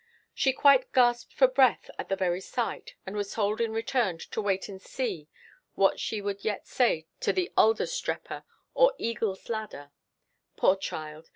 She quite gasped for breath at the very sight, and was told in return to wait and see what she would yet say to the Adlerstreppe, or Eagle's Ladder. Poor child!